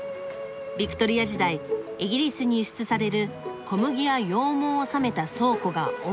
ビクトリア時代イギリスに輸出される小麦や羊毛を納めた倉庫が多い」。